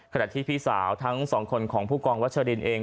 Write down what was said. ขณะที่พี่สาวทั้งสองคนของผู้กองวัชรินเอง